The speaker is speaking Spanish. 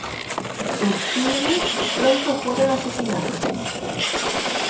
Sus crímenes pronto fueron asesinatos.